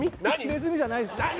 ネズミじゃないです。